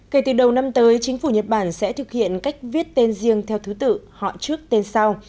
kể từ đầu năm tới chính phủ nhật bản sẽ thực hiện cách viết tên riêng theo thứ tự họ trước tên sau